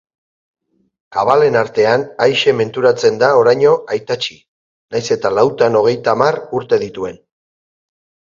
Kabalen artean aise menturatzen da oraino aitatxi, nahiz eta lautan hogeitamar urte dituen.